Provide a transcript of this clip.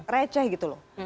recah gitu loh